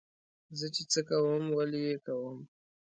زه چې څه کوم ولې یې کوم.